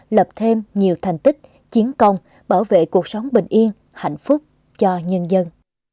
lập thêm nhiều thành tích chiến công bảo vệ cuộc sống bình yên hạnh phúc cho nhân dân